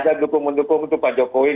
gak ada dukung dukung untuk pak jokowi